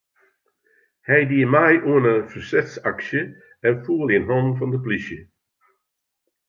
Hy die mei oan in fersetsaksje en foel yn hannen fan de polysje.